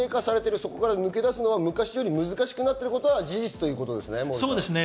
そこから抜け出すのは昔より難しくなっていることは事実ということですね、モーリーさん。